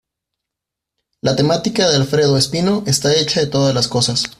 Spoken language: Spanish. La temática de Alfredo Espino está hecha de todas las cosas.